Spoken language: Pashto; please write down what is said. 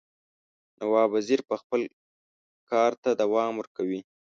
نواب وزیر به خپل کارته دوام ورکوي.